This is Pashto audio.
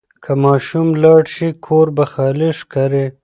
که ماشوم لاړ شي، کور به خالي ښکاري.